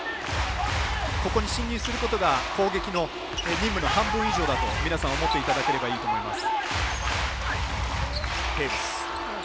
ここに進入することが攻撃の任務の半分以上だと皆さん思っていただければいいと思います。